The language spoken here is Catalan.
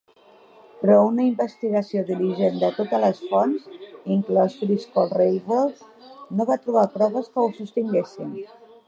Però una investigació diligent de totes les fonts, inclòs Frisco Railroad, no va trobar proves que ho sostinguessin.